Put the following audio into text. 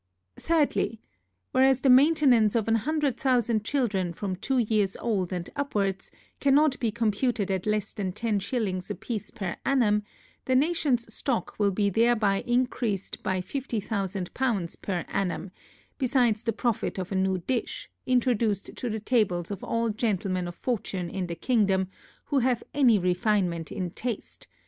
Thirdly, Whereas the maintainance of a hundred thousand children, from two years old, and upwards, cannot be computed at less than ten shillings a piece per annum, the nationŌĆÖs stock will be thereby encreased fifty thousand pounds per annum, besides the profit of a new dish, introduced to the tables of all gentlemen of fortune in the kingdom, who have any refinement in taste.